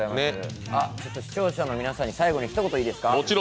視聴者の皆さんに最後に一言いいですか。